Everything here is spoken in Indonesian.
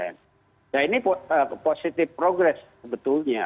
nah ini positive progress sebetulnya